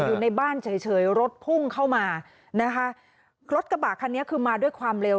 อยู่ในบ้านเฉยเฉยรถพุ่งเข้ามานะคะรถกระบะคันนี้คือมาด้วยความเร็ว